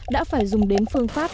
đã phải dùng đến phương pháp